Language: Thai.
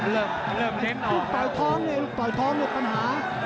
เริ่มเริ่มเด้นออกลูกปล่อยท้องเนี่ยลูกปล่อยท้องเนี่ยปัญหา